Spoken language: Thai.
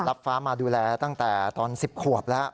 ฟ้ามาดูแลตั้งแต่ตอน๑๐ขวบแล้ว